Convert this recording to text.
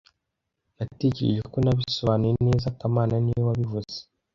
Natekereje ko nabisobanuye neza kamana niwe wabivuze